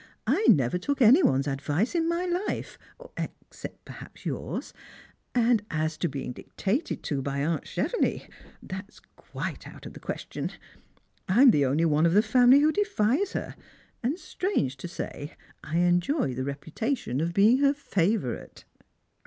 " I never took any one's advice in my life — except perhaps yours — and as to being dictated to by aunt Chevenix, that is quite out of the question. I am the only one of the family who defies her ; and, strange to say, I enjoy the reputation of being her favourite."